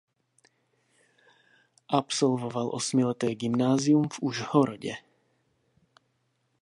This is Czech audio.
Absolvoval osmileté gymnázium v Užhorodě.